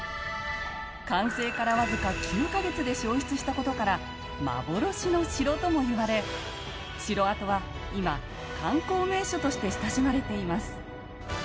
完成からわずか９か月で消失したことから幻の城ともいわれ城跡は今、観光名所として親しまれています。